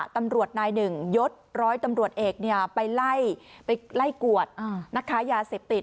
ตำรวจนายหนึ่งยดร้อยตำรวจเอกไปไล่กวดนักค้ายาเสพติด